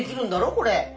これ。